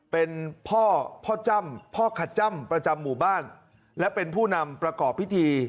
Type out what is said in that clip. เป็นพ่อพ่อจ้ำพ่อขจ้ำประจำหมู่บ้านและเป็นผู้นำประกอบพิธี